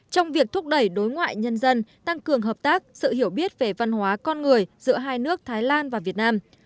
trong việc thúc đẩy đối ngoại nhân dân tăng cường hợp tác sự hiểu biết về văn hóa con người giữa hai nước thái lan và việt nam